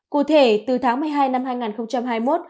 cụ thể từ tháng một mươi hai năm hai nghìn hai mươi một